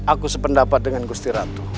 aku sependapat dengan gusti ratu